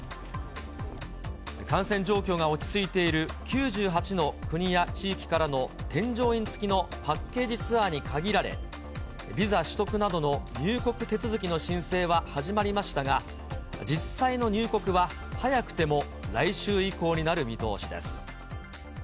感染状況が落ち着いている９８の国や地域からの添乗員付きのパッケージツアーに限られ、ビザ取得などの入国手続きの申請は始まりましたが、実際の入国は、早くても来週以降になる見通しです。